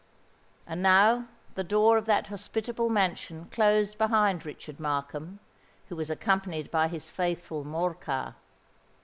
And now the door of that hospitable mansion closed behind Richard Markham, who was accompanied by his faithful Morcar.